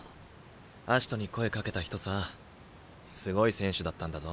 葦人に声かけた人さすごい選手だったんだぞ。